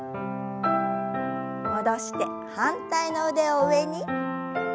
戻して反対の腕を上に。